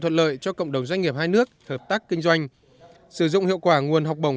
thuận lợi cho cộng đồng doanh nghiệp hai nước hợp tác kinh doanh sử dụng hiệu quả nguồn học bổng